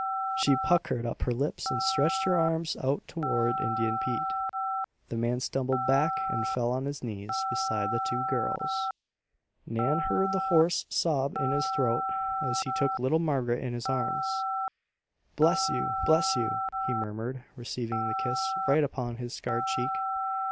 She puckered up her lips and stretched her arms out toward Indian Pete. The man stumbled back and fell on his knees beside the two girls. Nan heard the hoarse sob in his throat as he took little Margaret in his arms. "Bless you! Bless you!" he murmured, receiving the kiss right upon his scarred cheek.